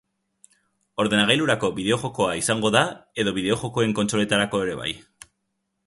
Ordenagailurako bideo-jokoa izango da edo bideo-jokoen kontsoletarako ere bai?